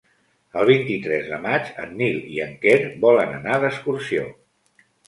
El vint-i-tres de maig en Nil i en Quer volen anar d'excursió.